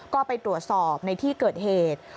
ก็ไปตรวจสอบในที่เกิดเหตุ